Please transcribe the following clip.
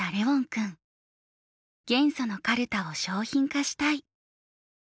「元素のカルタを商品化したい！」。